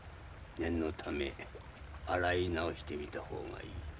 念のため洗い直してみた方がいい。